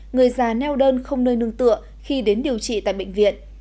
người già neo đơn không nơi nương tựa khi đến điều trị tại bệnh viện